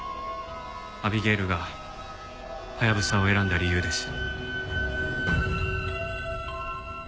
アビゲイルがハヤブサを選んだ理由です。